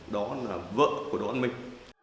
đó là vợ của đỗ văn minh